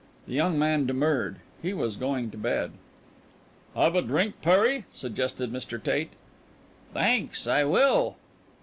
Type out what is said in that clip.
The young man demurred. He was going to bed. "Have a drink, Perry?" suggested Mr. Tate. "Thanks, I will."